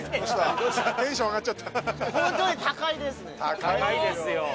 高いですよ！